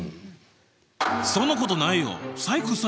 そんなことないよ！